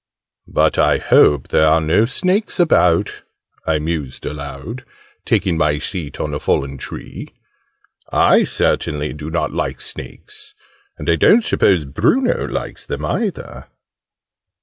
But I hope there are no snakes about!" I mused aloud, taking my seat on a fallen tree. "I certainly do not like snakes and I don't suppose Bruno likes them, either!"